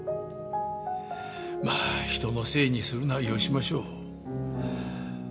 まあ人のせいにするのはよしましょう。